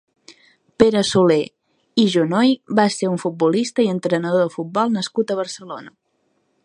Pere Solé i Junoy va ser un futbolista i entrenador de futbol nascut a Barcelona.